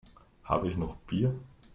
Habe ich noch Bier?